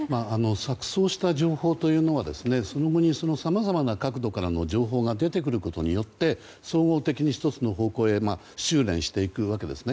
錯綜した情報というのはその後にさまざまな角度からの情報が出てくることによって総合的に１つの方向にしゅうれんしていくわけです。